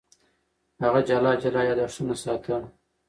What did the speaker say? هغه جلا جلا یادښتونه ساتل.